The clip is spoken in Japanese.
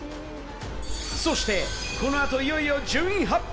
そしてこの後、いよいよ順位発表。